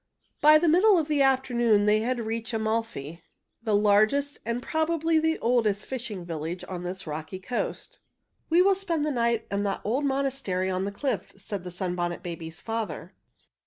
By the middle of the afternoon they had reached Amalfi, the largest and probably the oldest fishing village on this rocky coast. "We will spend the night in that old monastery on the cliff," said the Sunbonnet Babies' father.